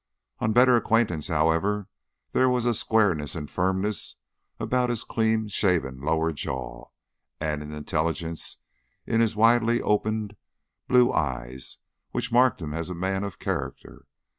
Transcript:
On better acquaintance, however, there was a squareness and firmness about his clean shaven lower jaw, and an intelligence in his widely opened blue eyes, which marked him as a man of character.